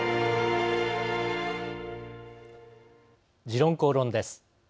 「時論公論」です。